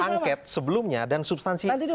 angket sebelumnya dan substansi